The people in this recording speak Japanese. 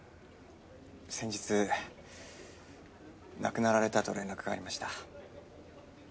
先日亡くなられたと連絡がありました。